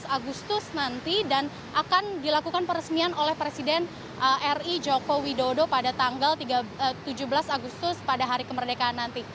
tujuh belas agustus nanti dan akan dilakukan peresmian oleh presiden ri joko widodo pada tanggal tujuh belas agustus pada hari kemerdekaan nanti